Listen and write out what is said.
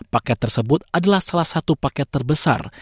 paket tersebut adalah salah satu paket terbesar